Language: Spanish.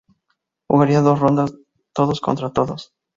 Jugarían dos rondas todos contra todos.